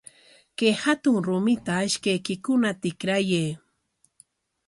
Kay hatun rumita ishkaykikuna tikrayay.